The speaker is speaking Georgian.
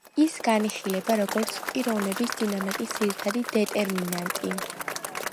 ის განიხილება, როგორც პიროვნების დინამიკის ძირითადი დეტერმინანტი.